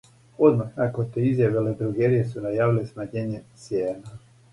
Одмах након те изјаве, веледрогерије су најавиле смањење цијена.